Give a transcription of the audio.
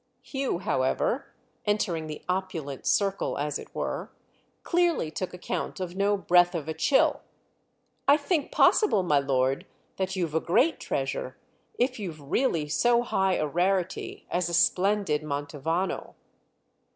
Hugh, however, entering the opulent circle, as it were, clearly took account of no breath of a chill. "I think possible, my lord, that you've a great treasure—if you've really so high a rarity as a splendid Manto vano."